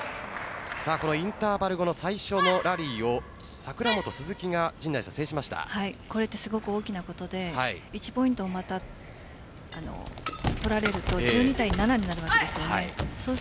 インターバル後の最初のラリーをこれってすごく大きなことで１ポイント、また取られると１２対７になるわけです。